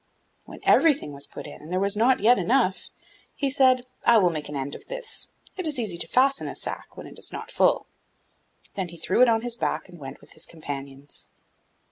When everything was put in and there was not yet enough, he said, 'I will make an end of this; it is easy to fasten a sack when it is not full.' Then he threw it on his back and went with his companions.